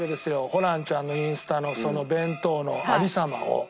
ホランちゃんのインスタのその弁当の有り様を。